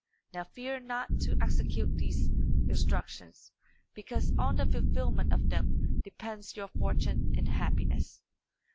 Now fear not to execute these instructions, because on the fulfilment of them depends your fortune and happiness.